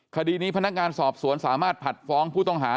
คดีนี้พนักงานสอบสวนสามารถผัดฟ้องผู้ต้องหา